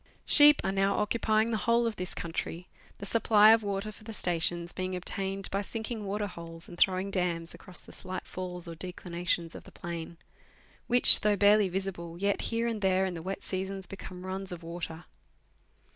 Sheep are now occupying the whole of this country, the supply of water for the stations being obtained by sinking waterholes and throwing dams across the slight falls or declinations of the plain, which, though barely visible, yet here and there in the wet seasons become runs of water.